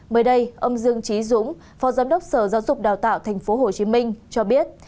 mới đây ông dương trí dũng phó giám đốc sở giáo dục đào tạo tp hcm cho biết